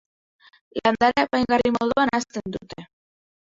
Landare apaingarri moduan hazten dute.